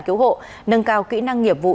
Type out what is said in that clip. cứu hộ nâng cao kỹ năng nghiệp vụ